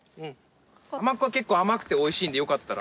甘っこは結構甘くておいしいんでよかったら。